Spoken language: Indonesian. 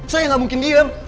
saya tidak mungkin diam